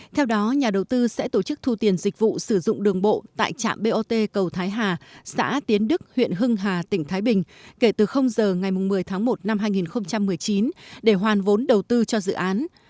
theo đó nhà đầu tư sẽ tổ chức thu tiền dịch vụ sử dụng đường bộ tại trạm bot cầu thái hà xã tiến đức huyện hưng hà tỉnh thái bình kể từ giờ ngày một mươi tháng một năm hai nghìn một mươi chín để hoàn vốn đầu tư cho dự án